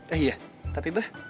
eh iya tapi bah